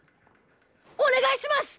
おねがいします！